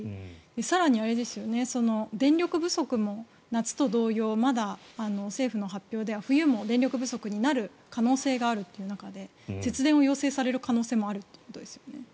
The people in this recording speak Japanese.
更に、電力不足も夏と同様まだ政府の発表では冬も電力不足になる可能性があるという中で節電を要請される可能性もあるということですよね。